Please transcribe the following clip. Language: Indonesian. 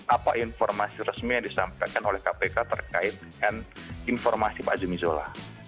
apa informasi resmi yang disampaikan oleh kpk terkait informasi pak zumizola